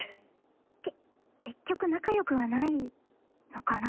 け結局仲良くはないのかな？